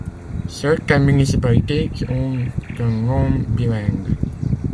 Certaines municipalités ont un nom bilingue.